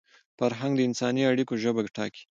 فرهنګ د انساني اړیکو ژبه ټاکي.